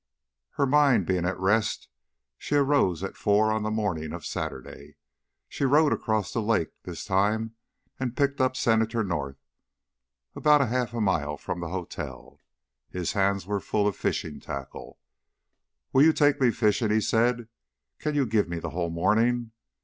Her mind being at rest, she arose at four on the morning of Saturday. She rowed across the lake this time and picked up Senator North about a half mile from the hotel. His hands were full of fishing tackle. "Will you take me fishing?" he said. "Can you give me the whole morning?